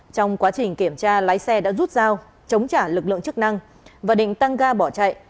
trong quá trình kiểm tra lái xe đã rút dao chống trả lực lượng chức năng và định tăng ga bỏ chạy